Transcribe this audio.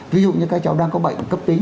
ví dụ như các cháu đang có bệnh cấp tính